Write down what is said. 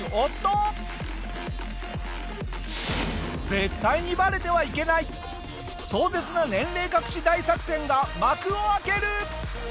絶対にバレてはいけない壮絶な年齢隠し大作戦が幕を開ける！